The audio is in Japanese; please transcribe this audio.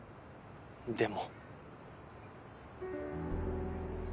でも。